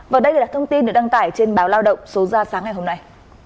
và đây là thông tin được đăng tải trên báo lao động số ra sáng ngày hôm nay